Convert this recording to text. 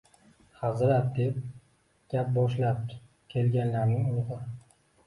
Hazrat, deb gap boshlabdi kelganlarning ulugʻi